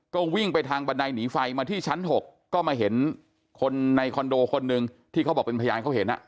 ก็วิ่งไปทางบันไดหนีไฟมาที่ชั้น๖ก็มาเห็นคนในคอนโดคนหนึ่งที่เขาบอกเป็นพยานเขาเห็น